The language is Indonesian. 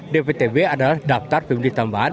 dptb adalah daftar pemilih tambahan